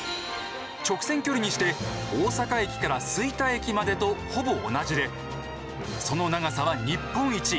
直線距離にして大阪駅から吹田駅までとほぼ同じでその長さは日本一。